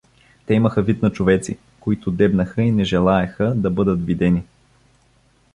Те имаха вид на човеци, които дебнеха и не желаеха да бъдат видени.